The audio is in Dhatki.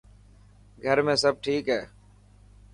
گھر ۾ سڀ ٺيڪ هي؟